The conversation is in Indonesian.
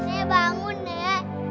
nenek bangun nek